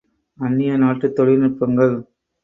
அந்நிய நாட்டுத் தொழில் நுட்பங்கள்!